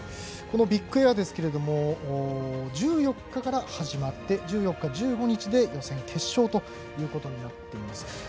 このビッグエアですが１４日から始まって１４日、１５日で予選、決勝となっています。